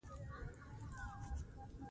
هرات د افغانانو د معیشت سرچینه ده.